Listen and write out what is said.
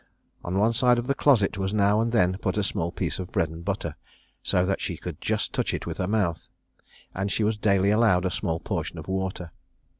On one side of the closet was now and then put a small piece of bread and butter, so that she could just touch it with her mouth; and she was daily allowed a small portion of water.